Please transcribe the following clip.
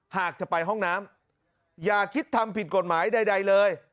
หากจะไปห้องน้ำอย่าคิดทำผิดกฎหมายใดเลย